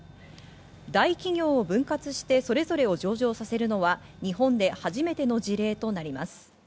大企業を分割してそれぞれを上場させるのは日本で初めての事例となります。